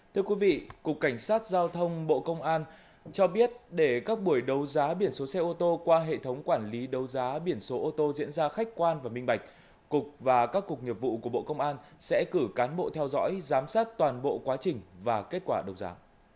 thưa quý vị cục cảnh sát giao thông bộ công an cho biết để các buổi đấu giá biển số xe ô tô qua hệ thống quản lý đấu giá biển số ô tô diễn ra khách quan và minh bạch cục và các cục nghiệp vụ của bộ công an sẽ cử cán bộ theo dõi giám sát toàn bộ quá trình và kết quả đấu giá